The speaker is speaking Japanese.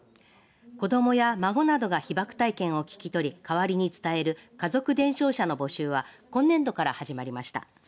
子どもや孫などが被爆体験を聞き取り代わりに伝える家族伝承者の募集は今年度から始まりました。